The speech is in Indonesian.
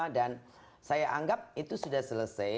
dan saya anggap itu sudah selesai